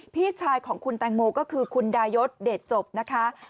พี่ชายของคุณแตงโมก็คือคุณดายศเดชจบนะคะ